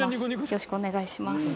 よろしくお願いします